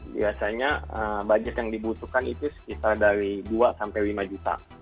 biasanya budget yang dibutuhkan itu sekitar dari dua sampai lima juta